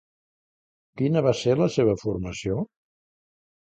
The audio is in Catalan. Quina va ser la seva formació?